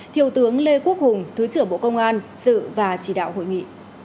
thiếu tướng lê quốc hùng thứ trưởng bộ công an sự và chỉ đạo hội nghị